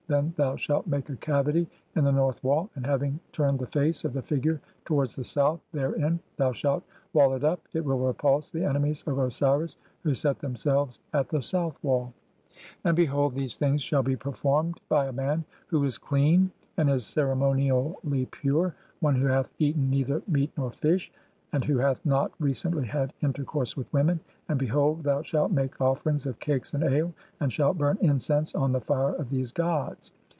THEN THOU SHALT MAKE A CAVITY IN THE NORTH WALL, AND HAVING [TURNED] THE FACE OF THE FIGURE TOWARDS THE SOUTH [THERE IN], THOU SHALT WALL IT UP [IT WILL REPULSE THE ENEMIES OF OSIRIS WHO SET THEMSELVES AT THE SOUTH WALL]. "And behold, these things shall be performed by a man who "is clean and is (52) ceremonially pure, one who hath eaten "neither meat nor fish, and who hath not [recently] had inter course with women ; and behold, thou shalt make offerings of "cakes and ale, and shalt burn incense on the fire of these gods.